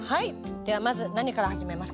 ではまず何から始めますか？